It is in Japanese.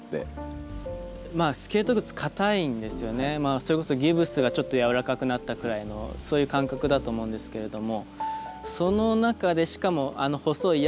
それこそギプスがちょっとやわらかくなったくらいのそういう感覚だと思うんですけれども。